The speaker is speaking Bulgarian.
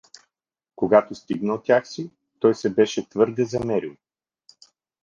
Когато стигна у тях си, той се беше твърде замерил.